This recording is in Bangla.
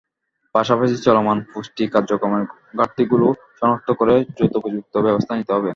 পাশাপাশি চলমান পুষ্টি কার্যক্রমের ঘাটতিগুলো শনাক্ত করে যথোপযুক্ত ব্যবস্থা নিতে হবে।